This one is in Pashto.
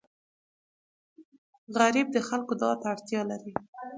غریب د خلکو دعا ته اړتیا لري